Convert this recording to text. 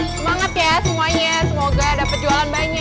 semangat ya semuanya semoga dapat jualan banyak